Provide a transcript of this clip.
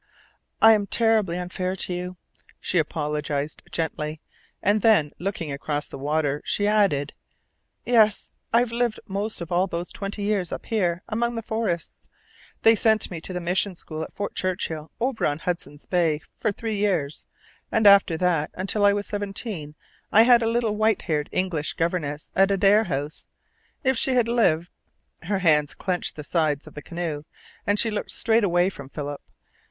"I am terribly unfair to you," she apologized gently; and then, looking across the water, she added: "Yes, I've lived almost all of those twenty years up here among the forests. They sent me to the Mission school at Fort Churchill, over on Hudson's Bay, for three years; and after that, until I was seventeen, I had a little white haired English governess at Adare House. If she had lived " Her hands clenched the sides of the canoe, and she looked straight away from Philip.